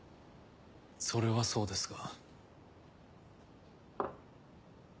それはそうですが。